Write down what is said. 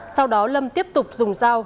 sau đó lâm tiếp tục dùng dao